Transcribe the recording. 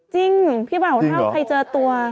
จริงพี่บ่าวเท่าใครเจอตัว